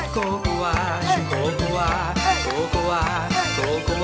เตรียมตัวครับ